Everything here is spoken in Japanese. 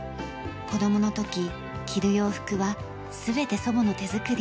子どもの時着る洋服は全て祖母の手作り。